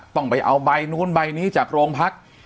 ต้องไปเอาใบนู้นใบนี้จากโรงพัก